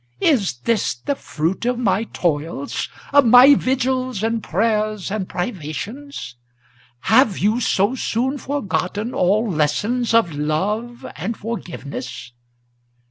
Is this the fruit of my toils, of my vigils and prayers and privations? Have you so soon forgotten all lessons of love and forgiveness?